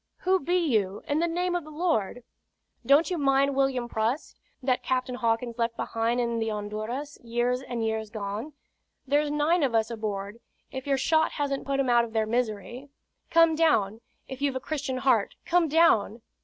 "Who be you, in the name of the Lord?" "Don't you mind William Prust, that Captain Hawkins left behind in the Honduras, years and years agone? There's nine of us aboard, if your shot hasn't put 'em out of their misery. Come down if you've a Christian heart, come down!"